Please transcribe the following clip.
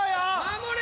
守れ